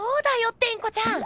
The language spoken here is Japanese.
テンコちゃん！